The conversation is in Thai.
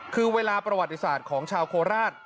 คือเวลาประวัติศาสตร์ของชาวโคราช